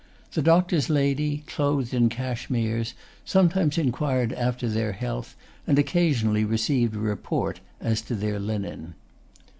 The doctor's lady, clothed in cashmeres, sometimes inquired after their health, and occasionally received a report as to their linen.